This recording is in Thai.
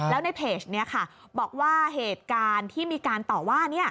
แล้วในเพจนี้ค่ะบอกว่าเหตุการณ์ที่มีการต่อว่า